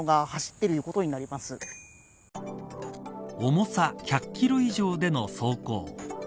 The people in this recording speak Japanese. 重さ１００キロ以上での走行。